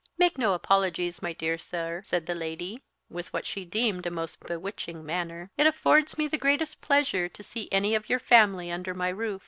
"Make no apologies, my dear sir," said the lady, with what she deemed a most bewitching manner; "it affords me the greatest pleasure to see any of your family under my roof.